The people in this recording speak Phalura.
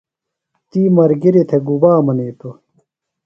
تی ملگِریۡ تھےۡ گُبا منِیتوۡ؟